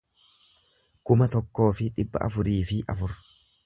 kuma tokkoo fi dhibba afurii fi afur